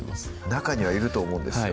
中にはいると思うんですよ